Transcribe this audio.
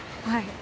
はい。